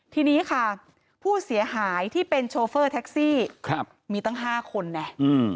ทีนี้ค่ะผู้เสียหายที่เป็นโชเฟอร์แท็กซี่มีตั้ง๕คนไง